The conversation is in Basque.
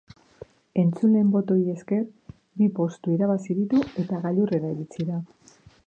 Entzuleen botoei esker, bi postu irabazi ditu eta gailurrera iritsi da.